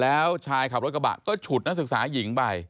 แล้วชายขับรถกระบะก็ฉุดนักศึกษาหญิงไป